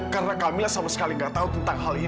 karena kamilah sama sekali gak tahu tentang hal ini dil